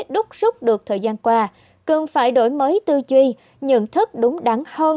đúc rút được thời gian qua cần phải đổi mới tư duy nhận thức đúng đắn hơn